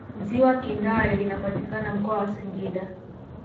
ziwa kindai linapatikana mkoa wa singida